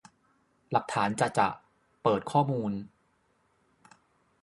หลักฐานจะจะ!เปิดข้อมูล